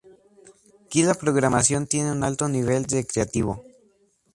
Aquí la programación tiene un alto nivel recreativo.